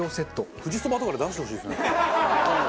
富士そばとかで出してほしい。